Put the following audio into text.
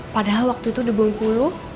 padahal waktu itu debongku lo